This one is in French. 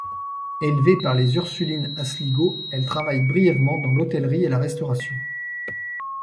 Élevée par les Ursulines à Sligo, elle travaille brièvement dans l'hôtellerie et la restauration.